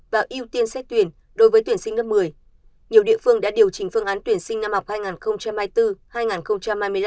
và ưu tiên xét tuyển đối với tuyển sinh lớp một mươi nhiều địa phương đã điều chỉnh phương án tuyển sinh năm học hai nghìn hai mươi bốn hai nghìn hai mươi năm